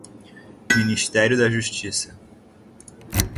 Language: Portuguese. Ministério da Justiça